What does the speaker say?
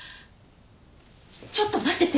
ちょっと待ってて。